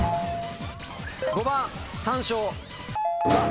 ５番山椒。